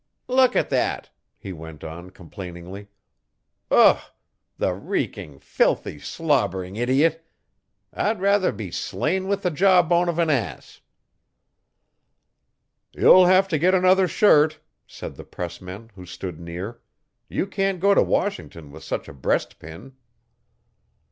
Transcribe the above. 'Look at that!' he went on, complainingly. 'Ugh! The reeking, filthy, slobbering idiot! I'd rather be slain with the jaw bone of an ass.' 'You'll have to get another shirt,' said the pressman, who stood near. 'You can't go to Washington with such a breast pin.'